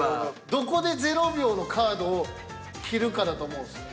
どこで０秒のカードを切るかだと思うんですよ。